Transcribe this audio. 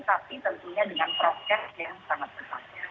tapi tentunya dengan proyek yang sangat cepat